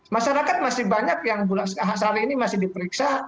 masyarakat masih banyak yang sehari ini masih diperiksa